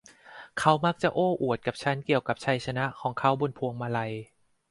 เขามักจะโอ้อวดกับฉันเกี่ยวกับชัยชนะของเขาบนพวงมาลัย